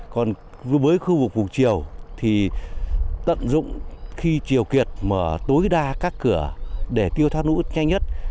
còn với khu vực vùng chiều thì tận dụng khi chiều kiệt mở tối đa các cửa để tiêu thoát lũ nhanh nhất